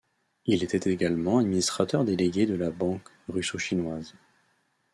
Il était également administrateur délégué de la Banque russo-chinoise.